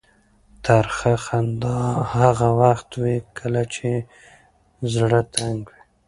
ترخه خندا هغه وخت وي کله چې زړه تنګ وي.